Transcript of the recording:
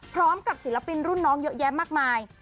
ศิลปินรุ่นน้องเยอะแยะมากมาย